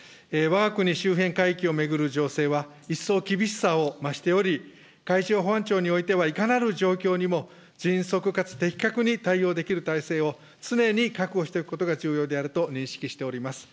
わが国周辺海域を巡る情勢は、一層厳しさを増しており、海上保安庁においてはいかなる状況にも迅速かつ的確に対応できる体制を常に確保していくことが重要であると認識しております。